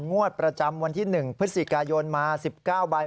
งวดประจำวันที่หนึ่งพฤษิกายนมา๑๙บาท